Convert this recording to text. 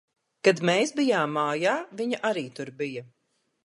Kad mēs bijām mājā, viņa arī tur bija.